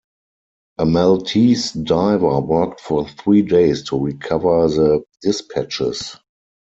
A Maltese diver worked for three days to recover the dispatches.